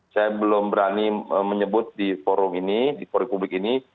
saya belum berani menyebut di forum ini di forum publik ini